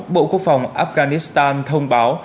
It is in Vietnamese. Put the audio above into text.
bộ quốc phòng afghanistan thông báo